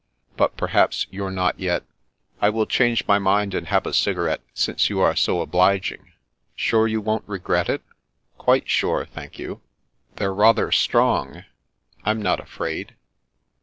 But per haps you're not yet ^"" I will change my mind and have a cigarette, since you are so obliging." " Sure 3rou won't regret it? "" Quite sure, thank you." I20 The Princess Passes " They're rather strong." " Fm not afraid."